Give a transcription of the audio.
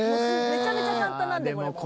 めちゃめちゃ簡単なんでこれも。